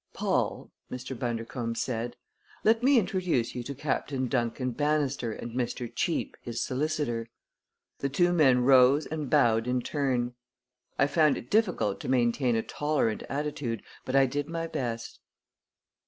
"Paul," Mr. Bundercombe said, "let me introduce you to Captain Duncan Bannister and Mr. Cheape, his solicitor." The two men rose and bowed in turn. I found it difficult to maintain a tolerant attitude, but I did my best.